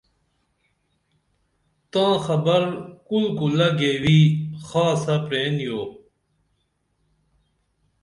تاں خبر کُل کُلہ گیوی خاصہ پرین یو